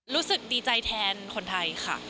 รู้สึกดีใจแทนคนไทยค่ะ